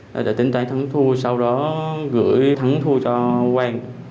để tính toán thắng thua sau đó gửi thắng thua cho quang